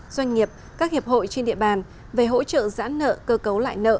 doanh nghiệp các hiệp hội trên địa bàn về hỗ trợ giãn nợ cơ cấu lại nợ